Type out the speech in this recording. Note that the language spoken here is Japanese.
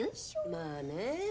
まあね。